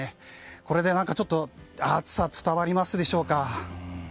これで暑さ伝わりますでしょうか。